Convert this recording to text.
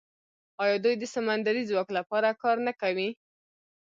آیا دوی د سمندري ځواک لپاره کار نه کوي؟